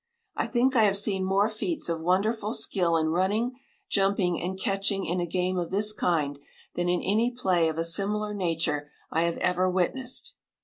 I think I have seen more feats of wonderful skill in running, jumping and catching in a game of this kind than in any play of a similar nature I have ever witnessed.